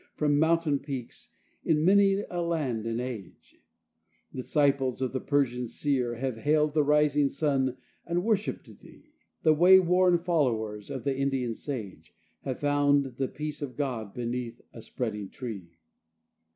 From mountain peaks, in many a land and age, Disciples of the Persian seer Have hailed the rising sun and worshipped thee; And wayworn followers of the Indian sage Have found the peace of God beneath a spreading tree.